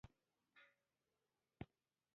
خوب د زړه ساه شي